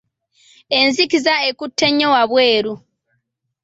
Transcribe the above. Enzikiza ekutte nnyo wabweru.